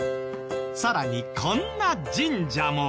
さらにこんな神社も。